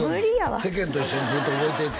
世間と一緒にずっと動いていっ